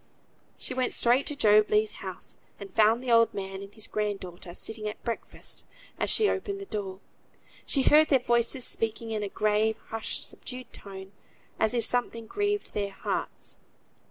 She went straight to Job Legh's house, and found the old man and his grand daughter sitting at breakfast; as she opened the door she heard their voices speaking in a grave, hushed, subdued tone, as if something grieved their hearts.